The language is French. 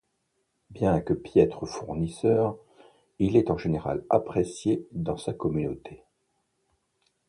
Bien que piètre fournisseur, il est en général apprécié dans sa communauté.